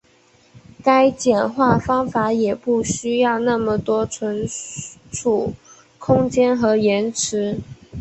该简化方法也不需要那么多存储空间和延迟。